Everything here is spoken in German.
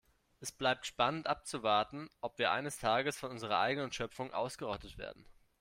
Es bleibt spannend abzuwarten, ob wir eines Tages von unserer eigenen Schöpfung ausgerottet werden.